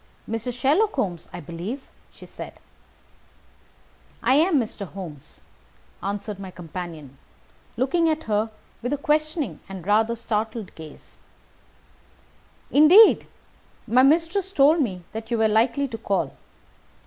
"Mr. Sherlock Holmes, I believe?" said she. "I am Mr. Holmes," answered my companion, looking at her with a questioning and rather startled gaze. "Indeed! My mistress told me that you were likely to call.